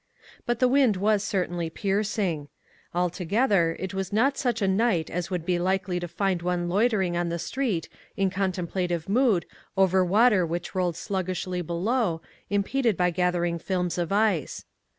But the wind was certainly piercing. Al together it was not such a night as would be likely to find one loitering on the street in contemplative mood over water which rolled sluggishly below, impeded by gather ing films of ice.